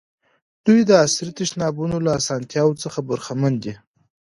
دوی د عصري تشنابونو له اسانتیاوو هم برخمن دي.